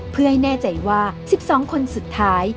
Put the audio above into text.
เพื่อให้แน่ใจว่า๑๒คนสุดท้าย